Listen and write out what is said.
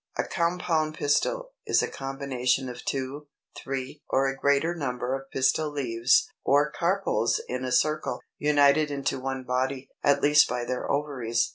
] 309. =A Compound Pistil= is a combination of two, three, or a greater number of pistil leaves or carpels in a circle, united into one body, at least by their ovaries.